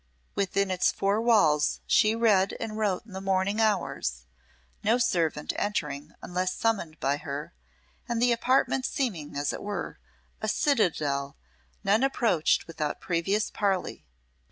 Within its four walls she read and wrote in the morning hours, no servant entering unless summoned by her; and the apartment seeming, as it were, a citadel, none approached without previous parley.